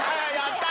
やった！